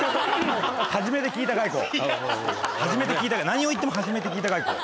何を言っても初めて聞いた外交。